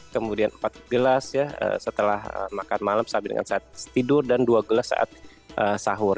kemudian empat gelas setelah makan malam sampai dengan saat tidur dan dua gelas saat sahur